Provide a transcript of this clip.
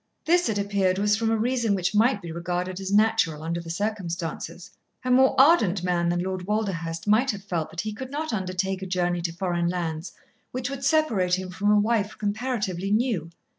This, it appeared, was from a reason which might be regarded as natural under the circumstances. A more ardent man than Lord Walderhurst might have felt that he could not undertake a journey to foreign lands which would separate him from a wife comparatively new.